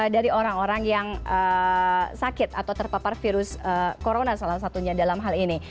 dari orang orang yang sakit atau terpapar virus corona salah satunya dalam hal ini